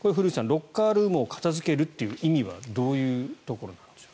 ロッカールームを片付けるという意味はどういうところなんでしょう？